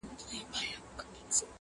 څنګه دا کور او دا جومات او دا قلا سمېږي؛